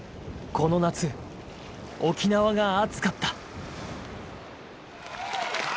この夏、沖縄が熱かった。